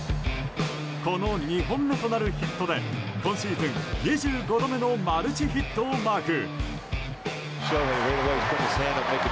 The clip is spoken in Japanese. この２本目となるヒットで今シーズン２５度目のマルチヒットをマーク。